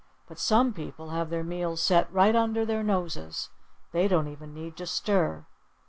But some people have their meals set right under their noses. They don't even need to stir."